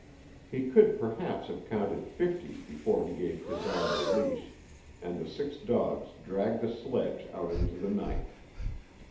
He could perhaps have counted fifty before he gave Kazan the leash and the six dogs dragged the sledge out into the night.